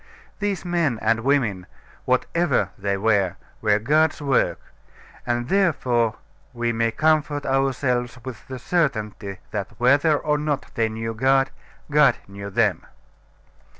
These men and women, whatever they were, were God's work; and therefore we may comfort ourselves with the certainty that, whether or not they knew God, God knew them.